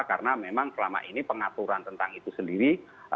karena memang selama ini pengaturan tentang itu sendiri